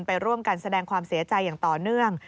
ไปร่วมกันแสดงความเสียใจอย่างต่อเนื่อง